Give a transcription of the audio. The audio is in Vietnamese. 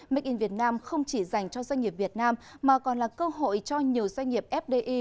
make in việt nam không chỉ dành cho doanh nghiệp việt nam mà còn là cơ hội cho nhiều doanh nghiệp fdi